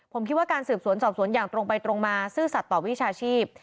ผมคิดว่าการสืบสวนสอบสวนอย่างตรงไปตรงมาซื่อสัตว์ต่อวิชาชีพ